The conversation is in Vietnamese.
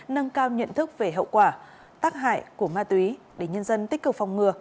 nâng cao nhận thức về hậu quả tác hại của ma túy để nhân dân tích cực phòng ngừa